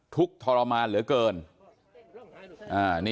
ทุกข์ทรมานเหลือเกิน